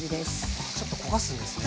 あちょっと焦がすんですね。